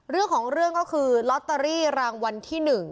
เรื่องของเรื่องก็คือลอตเตอรี่รางวัลที่๑